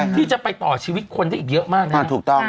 ที่จะไปต่อชีวิตคนได้อีกเยอะมากนะถูกต้อง